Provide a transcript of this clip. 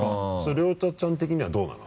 亮太ちゃん的にはどうなの？